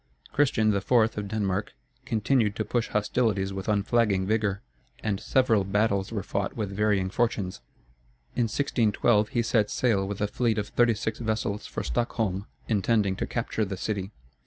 Christian IV., of Denmark, continued to push hostilities with unflagging vigor, and several battles were fought with varying fortunes. In 1612, he set sail with a fleet of thirty six vessels for Stockholm, intending to capture the city.